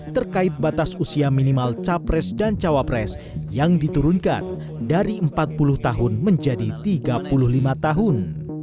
terkait batas usia minimal capres dan cawapres yang diturunkan dari empat puluh tahun menjadi tiga puluh lima tahun